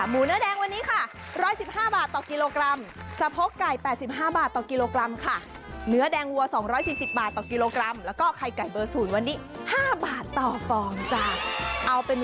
หมูเนื้อแดงวันนี้ค่ะร้อยสิบห้าบาทต่อกิโลกรัม